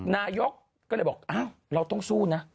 นายกก็เลยบอกอ้าวเราต้องสู้นะ